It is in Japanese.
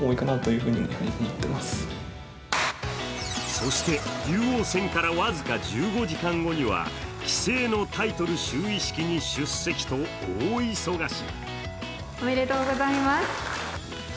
そして竜王戦から僅か１５時間後には棋聖のタイトル就位式に出席と大忙し。